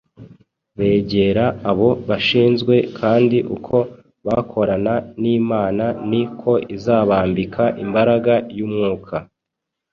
begera abo bashinzwe kandi uko bakorana n’Imana, ni ko izabambika imbaraga y’umwuka.